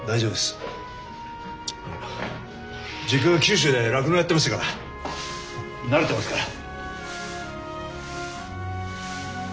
あの実家が九州で酪農やってましたから慣れてますから。